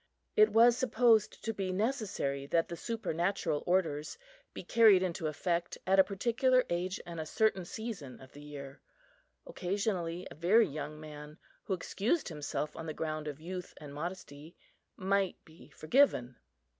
It was supposed to be necessary that the supernatural orders be carried into effect at a particular age and a certain season of the year. Occasionally a very young man, who excused himself on the ground of youth and modesty, might be forgiven.